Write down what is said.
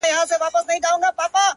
o له شپږو مياشتو څه درد ـدرد يمه زه ـ